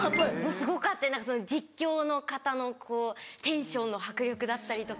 すごかった実況の方のテンションの迫力だったりとか。